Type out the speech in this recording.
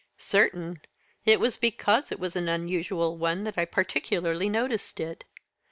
"Certain; it was because it was an unusual one that I particularly noticed it.